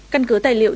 căn cứ tài liệu